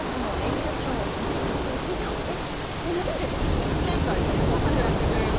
夫婦喧嘩は家の中でやってくれる！？